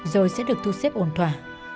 rồi sẽ được thu xếp ổn thỏa